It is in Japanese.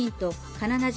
カナダ人